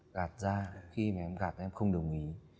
gạt ra khi mà em gạt em không đồng ý